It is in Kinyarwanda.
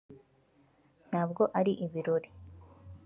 ntabwo ari ibirori